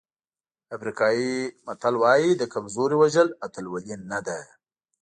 افریقایي متل وایي د کمزوري وژل اتلولي نه ده.